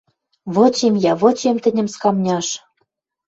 Вычем йӓ, вычем тӹньӹм скамняш.